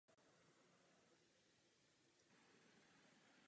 Pokles populace původních obyvatel pokračoval.